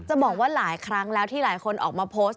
บอกว่าหลายครั้งแล้วที่หลายคนออกมาโพสต์